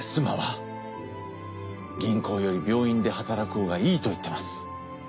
妻は銀行より病院で働くほうがいいと言ってます。